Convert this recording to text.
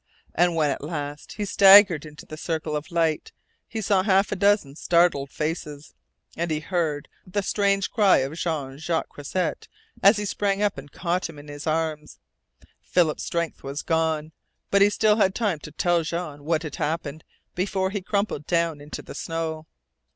And when at last he staggered into the circle of light he saw half a dozen startled faces, and he heard the strange cry of Jean Jacques Croisset as he sprang up and caught him in his arms. Philip's strength was gone, but he still had time to tell Jean what had happened before he crumpled down into the snow.